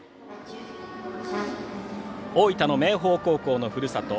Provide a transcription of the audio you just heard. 大分の明豊高校のふるさと